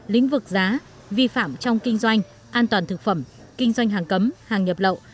lĩnh vực giá vi phạm trong kinh doanh an toàn thực phẩm kinh doanh hàng cấm hàng nhập lậu